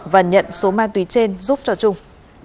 và nhận số ma túy trên giúp cho trung